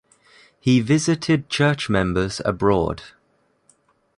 He visited Church members abroad.